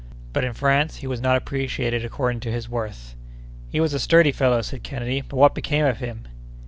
But in France he was not appreciated according to his worth." "He was a sturdy fellow!" said Kennedy, "but what became of him?"